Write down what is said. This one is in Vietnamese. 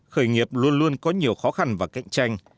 khởi nghiệp luôn luôn có nhiều khó khăn và cạnh tranh